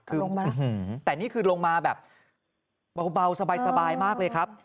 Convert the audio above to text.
คือแต่นี่คือลงมาแบบเบาสบายมากเลยครับ